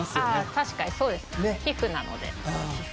確かにそうです皮膚なので。